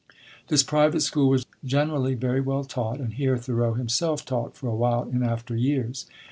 This private school was generally very well taught, and here Thoreau himself taught for a while in after years.